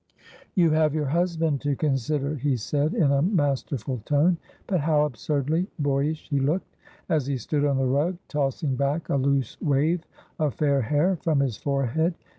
"You have your husband to consider," he said, in a masterful tone, but how absurdly boyish he looked, as he stood on the rug, tossing back a loose wave of fair hair from his forehead.